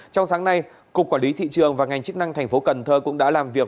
trong sáng nay cục quản lý thị trường và ngành chức năng thành phố cần thơ cũng đã làm việc